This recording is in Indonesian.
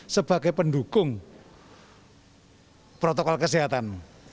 sebagai pendukung protokol kesehatan